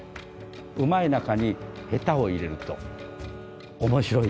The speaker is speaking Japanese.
うまい中に下手を入れると面白いってこと。